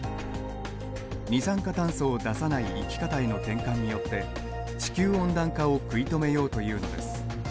二酸化炭素を出さない生き方への転換によって地球温暖化を食い止めようというのです。